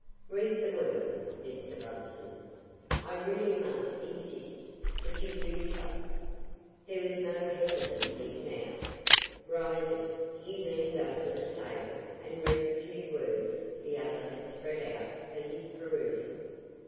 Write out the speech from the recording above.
"Read the words, Mr. Brotherson. I really must insist that you do so." There was no hesitancy now. Rising, he leaned over the table and read the few words the other had spread out for his perusal.